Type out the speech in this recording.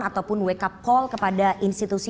ataupun wake up call kepada institusi